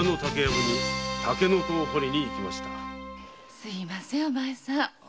すみませんお前さん。